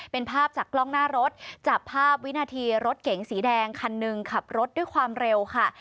เป็นภาพจากกล้องหน้ารถจับภาพวินาทีรถเก๋งสีแดงคันหนึ่งขับรถด้วยความเร็วค่ะ